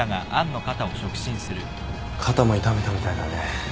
肩も痛めたみたいだね。